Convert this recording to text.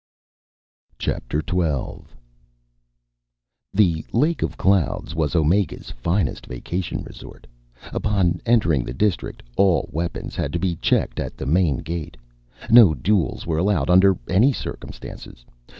Chapter Twelve The Lake of Clouds was Omega's finest vacation resort. Upon entering the district, all weapons had to be checked at the main gate. No duels were allowed under any circumstances.